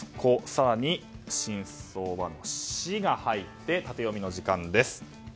更に真相は？の「シ」が入ってタテヨミの時間です。